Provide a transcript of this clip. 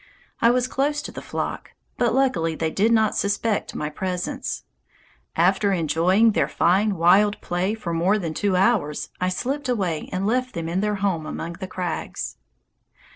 I was close to the flock, but luckily they did not suspect my presence. After enjoying their fine wild play for more than two hours, I slipped away and left them in their home among the crags.